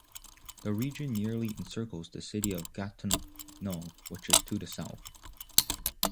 The region nearly encircles the City of Gatineau which is to the south.